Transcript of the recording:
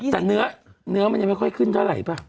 แต่เนื้อมันยังไม่ค่อยขึ้นเท่าไหร่ป่ะ